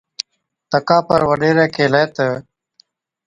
تڪا پر وڏيرَي ڪيهلَي تہ،